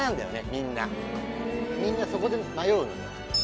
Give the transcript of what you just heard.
みんなみんなそこで迷うのよ。